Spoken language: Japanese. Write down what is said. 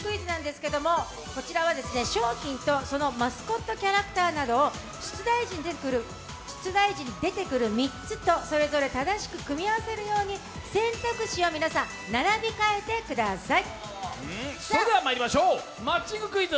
商品とマスコットキャラクターなどを出題時に出てくる３つとそれぞれ正しく組み合わせるように選択肢を皆さん並び替えてください。